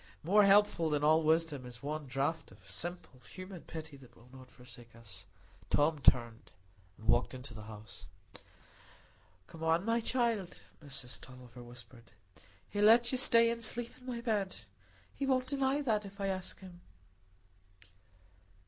More helpful than all wisdom is one draught of simple human pity that will not forsake us. Tom turned and walked into the house. "Come in, my child," Mrs Tulliver whispered. "He'll let you stay and sleep in my bed. He won't deny that if I ask him."